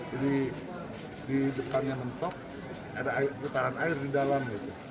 jadi di depannya mentok ada putaran air di dalam